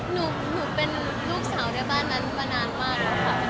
หนูเป็นลูกสาวในบ้านนั้นมานานมากแล้วค่ะ